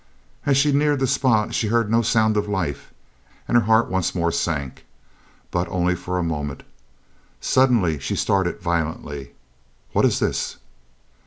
As she neared the spot she heard no sound of life and her heart once more sank, but only for a moment. Suddenly she started violently. "What is this?"